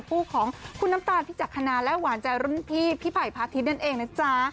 คู่ของคุณน้ำตาลพิจักษณาและหวานใจรุ่นพี่พี่ไผ่พาทิตยนั่นเองนะจ๊ะ